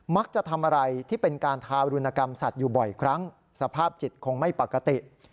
จะทำอะไรที่เป็นการทารุณกรรมสัตว์อยู่บ่อยครั้งสภาพจิตคงไม่ปกติ